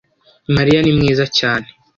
mariya ni mwiza cyane